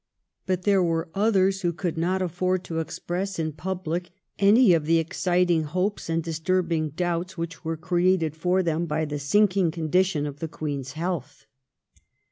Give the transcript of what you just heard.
But there were others who could not afford to express in public any of the exciting hopes and dis turbing doubts which were created for them by the sinking condition of the Queen's health.